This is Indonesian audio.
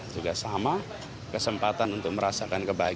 juga sama kesempatan untuk merasakan kebaikan